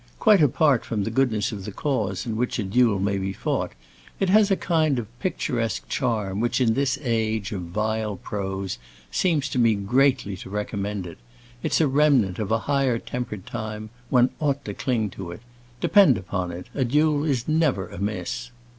Quite apart from the goodness of the cause in which a duel may be fought, it has a kind of picturesque charm which in this age of vile prose seems to me greatly to recommend it. It's a remnant of a higher tempered time; one ought to cling to it. Depend upon it, a duel is never amiss."